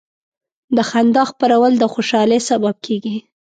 د خندا خپرول د خوشحالۍ سبب کېږي.